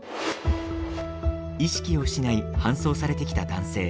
意識を失い搬送されてきた男性。